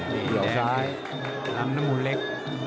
นี่แดงลำน้ำมูลเล็ก